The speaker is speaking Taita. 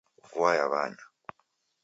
Vua yaw'anya.